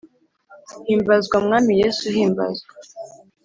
Himbazwamwami yesu himbazwa